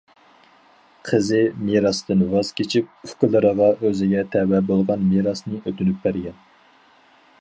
قىزى مىراستىن ۋاز كېچىپ ئۇكىلىرىغا ئۆزىگە تەۋە بولغان مىراسنى ئۆتۈنۈپ بەرگەن.